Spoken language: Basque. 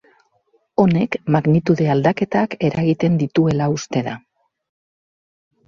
Honek magnitude aldaketak eragiten dituela uste da.